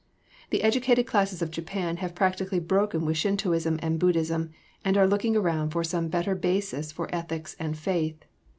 The educated classes of Japan have practically broken with Shintoism and Buddhism, and are looking around for some better basis for ethics and faith.